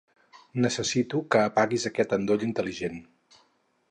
Necessito que apaguis aquest endoll intel·ligent.